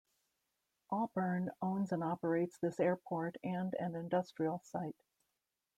Auburn owns and operates this airport and an industrial site.